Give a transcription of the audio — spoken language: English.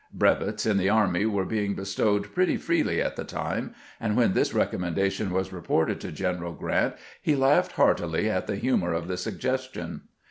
Brevets in the army were being bestowed pretty freely at the time, and when this recommendation was reported to General Grant he laughed heartily at the humor of the sugges tion.